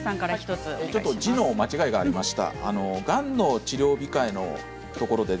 文字の間違いが１つありました。